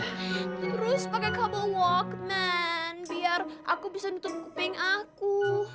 terus pakai kabel walkman biar aku bisa nutup kuping aku